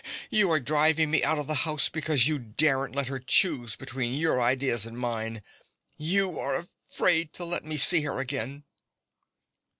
You are driving me out of the house because you daren't let her choose between your ideas and mine. You are afraid to let me see her again.